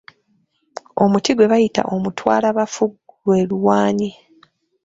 Omuti gwe bayita omutwalabafu lwe luwaanyi.